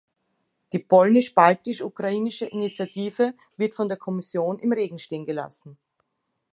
Die polnisch-baltisch-ukrainische Initiative wird von der Kommission im Regen stehen gelassen.